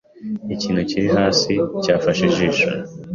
Ikintu kiri hasi cyafashe ijisho